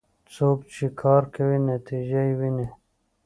څوک چې کار کوي، نتیجه یې ويني.